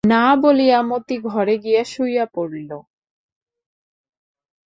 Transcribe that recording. না, বলিয়া মতি ঘরে গিয়া শুইয়া পড়িল।